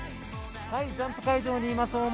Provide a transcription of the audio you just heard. ジャンプ会場にいます